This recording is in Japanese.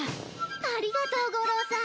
ありがとう五郎さん。